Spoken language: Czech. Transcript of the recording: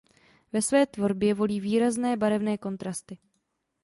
Ve své tvorbě volí výrazné barevné kontrasty.